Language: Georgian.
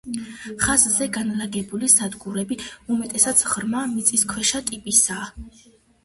ხაზზე განლაგებული სადგურები უმეტესად ღრმა მიწისქვეშა ტიპისაა.